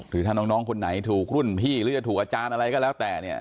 คือถ้าน้องคนไหนถูกรุ่นพี่หรือจะถูกอาจารย์อะไรก็แล้วแต่เนี่ย